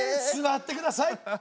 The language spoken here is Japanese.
すわってください。